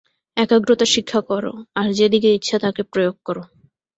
একাগ্রতা শিক্ষা কর, আর যে দিকে ইচ্ছা তাকে প্রয়োগ কর।